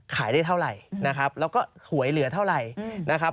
ขายได้เท่าไหร่นะครับแล้วก็หวยเหลือเท่าไหร่นะครับ